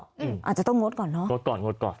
อาจจะต้องงดก่อนเนอะงดก่อนงดก่อน